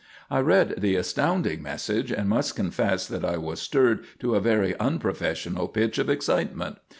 I read the astounding message and must confess that I was stirred to a very unprofessional pitch of excitement.